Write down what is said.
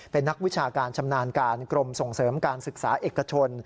เป็นนักวิชาการชำนาญการกรมส่งเสริมการศึกษาเอกชน